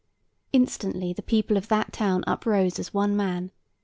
Instantly the people of that town uprose as one man.